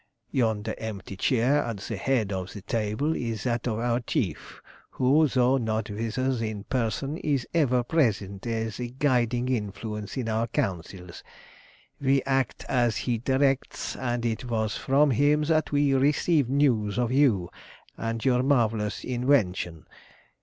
Yonder empty chair at the head of the table is that of our Chief, who, though not with us in person, is ever present as a guiding influence in our councils. We act as he directs, and it was from him that we received news of you and your marvellous invention.